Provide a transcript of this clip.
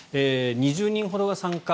２０人ほどが参加。